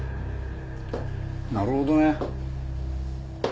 なるほどね。